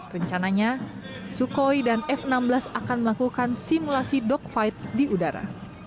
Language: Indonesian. rencananya sukhoi dan f enam belas akan melakukan simulasi dogfight di udara